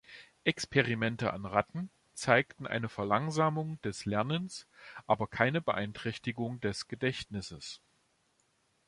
Experimente an Ratten zeigten eine Verlangsamung des Lernens, aber keine Beeinträchtigung des Gedächtnisses.